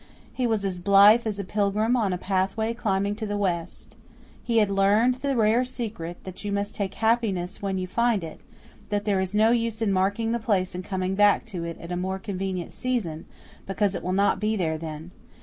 He was as blithe as a pilgrim on a pathway climbing to the west. He had learned the rare secret that you must take happiness when you find it that there is no use in marking the place and coming back to it at a more convenient season, because it will not be there then.